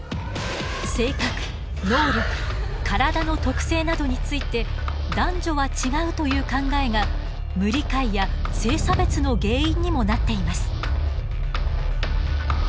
性格能力体の特性などについて男女は違うという考えが無理解や性差別の原因にもなっています。